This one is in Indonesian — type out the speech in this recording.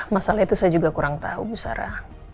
masalah itu saya juga kurang tahu musara